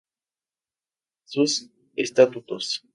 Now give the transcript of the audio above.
Sus Estatutos.